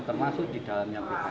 termasuk di dalamnya